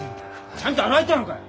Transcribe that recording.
ちゃんと洗えたのかよ？